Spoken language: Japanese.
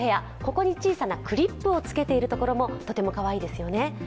ここに小さなクリップをつけているところがとてもかわいいですよね。